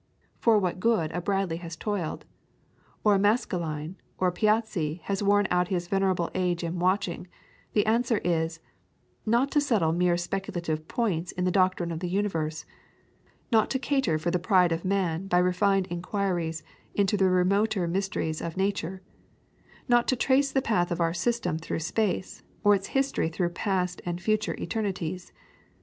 for what good a Bradley has toiled, or a Maskelyne or a Piazzi has worn out his venerable age in watching, the answer is not to settle mere speculative points in the doctrine of the universe; not to cater for the pride of man by refined inquiries into the remoter mysteries of nature; not to trace the path of our system through space, or its history through past and future eternities.